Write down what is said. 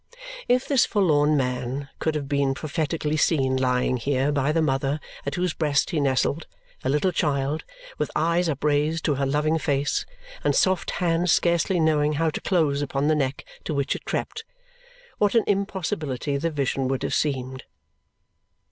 If this forlorn man could have been prophetically seen lying here by the mother at whose breast he nestled, a little child, with eyes upraised to her loving face, and soft hand scarcely knowing how to close upon the neck to which it crept, what an impossibility the vision would have seemed!